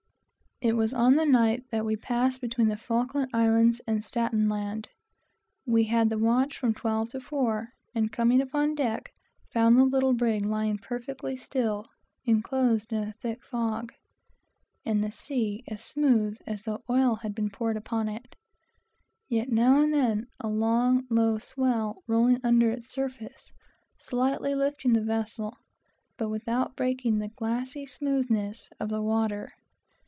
It was on the night that we passed between the Falkland Islands and Staten Land. We had the watch from twelve to four, and coming upon deck, found the little brig lying perfectly still, surrounded by a thick fog, and the sea as smooth as though oil had been poured upon it; yet now and then a long, low swell rolling over its surface, slightly lifting the vessel, but without breaking the glassy smoothness of the water.